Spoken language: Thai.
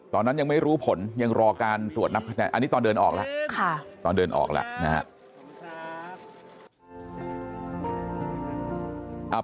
ตอนนั้นยังไม่รู้ผลยังรอการตรวจนับคะแนนอันนี้ตอนเดินออกแล้วตอนเดินออกแล้วนะครับ